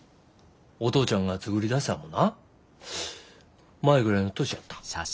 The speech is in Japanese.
お父ちゃんが作りだしたんもな舞ぐらいの年やった。